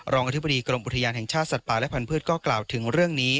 อธิบดีกรมอุทยานแห่งชาติสัตว์ป่าและพันธุ์ก็กล่าวถึงเรื่องนี้